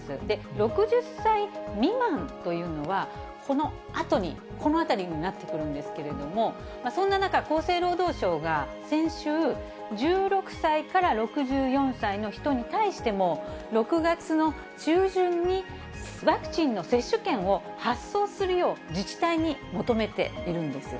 ６０歳未満というのは、このあとに、この辺りになってくるんですけれども、そんな中、厚生労働省が先週、１６歳から６４歳の人に対しても、６月の中旬に、ワクチンの接種券を発送するよう、自治体に求めているんですよ。